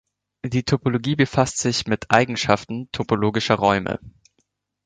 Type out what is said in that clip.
Die Topologie befasst sich mit Eigenschaften "topologischer Räume".